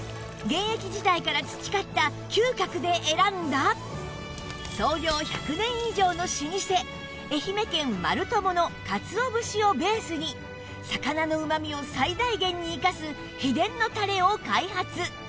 現役時代から培った嗅覚で選んだ創業１００年以上の老舗愛媛県マルトモのカツオ節をベースに魚のうま味を最大限に生かす秘伝のたれを開発